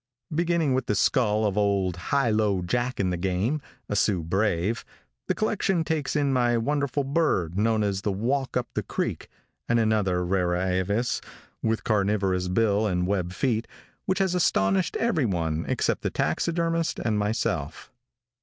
Beginning with the skull of old Hi lo Jack and the game, a Sioux brave, the collection takes in my wonderful bird, known as the Walk up the creek, and another vara avis, with carnivorous bill and web feet, which has astonished everyone except the taxidermist and myself.